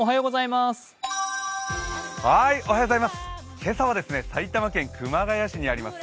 今朝は埼玉県熊谷市にあります